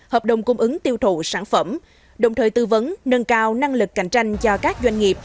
hợp đồng cung ứng tiêu thụ sản phẩm đồng thời tư vấn nâng cao năng lực cạnh tranh cho các doanh nghiệp